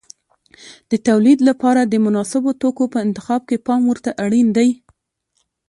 د تولید لپاره د مناسبو توکو په انتخاب کې پام ورته اړین دی.